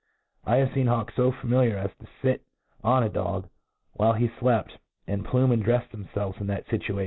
I h^vc feen haWks fo femiliar is to fit on a dog while he flept, and plume and drefs themfelves in that fitu?